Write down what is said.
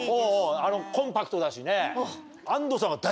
コンパクトだしね。